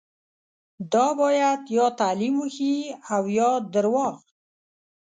دا باید یا تعلیم وښيي او یا درواغ.